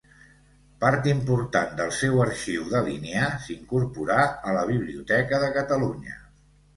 Part important del seu arxiu dalinià s'incorporà a la Biblioteca de Catalunya.